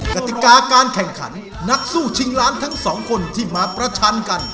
กติกาการแข่งขันนักสู้ชิงล้านทั้งสองคนที่มาประชันกัน